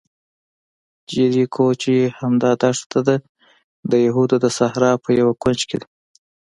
جیریکو چې همدا دښته ده، د یهودو د صحرا په یوه کونج کې دی.